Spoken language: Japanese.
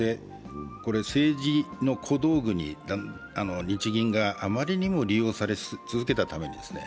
政治の小道具に日銀があまりにも利用され続けたために。